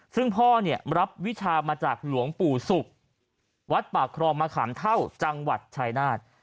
ซึ่งพ่อเนี่ยรับวิชามาจากหลวงปู่ศุกร์วัดป่าครองมะขามเท่าจังหวัดชายนาฏ